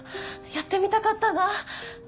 やってみたかったなぁ！